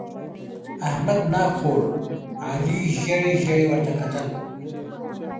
احمد ناک خوړ؛ علي ژېړې ژېړې ورته کتل.